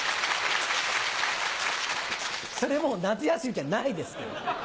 それもう夏休みじゃないですから。